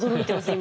今。